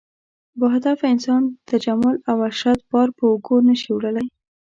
باهدفه انسان تجمل او عشرت بار په اوږو نه شي وړلی.